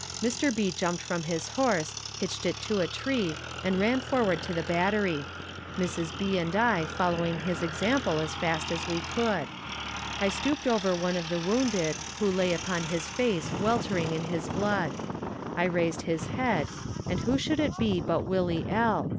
Mr. B. jumped from his horse, hitched it to a tree, and ran forward to the battery; Mrs. B. and I following his example as fast as we could. I stooped over one of the wounded, who lay upon his face weltering in his blood; I raised his head, and who should it be but Willie L.